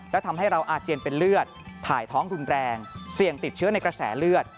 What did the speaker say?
และทำให้เราอาเจียนเป็นเลือดถ่ายท้องรุนแรงเสี่ยงติดเชื้อในกระแสเลือด